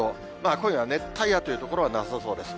今夜は熱帯夜という所はなさそうです。